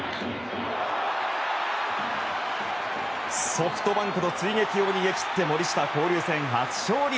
ソフトバンクの追撃を逃げ切って森下、交流戦初勝利。